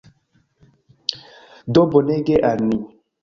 Do bonege al ni.